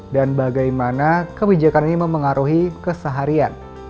dan bagaimana kebijakan ini memengaruhi keseharian